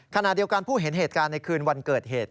ขณะเดียวกันผู้เห็นเหตุการณ์ในคืนวันเกิดเหตุ